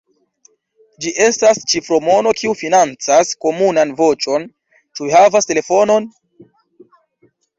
Ĝi estas ĉifromono kiu financas Komunan Voĉon. Ĉu vi havas telefonon?